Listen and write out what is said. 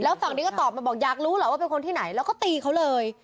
ฝั่งนี้ก็ตอบมาบอกอยากรู้เหรอว่าเป็นคนที่ไหนแล้วก็ตีเขาเลย